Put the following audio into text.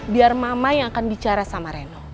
biar mama yang akan bicara sama reno